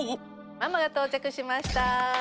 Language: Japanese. ママが到着しました。